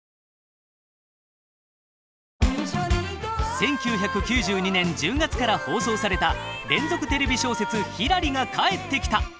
１９９２年１０月から放送された連続テレビ小説「ひらり」が帰ってきた！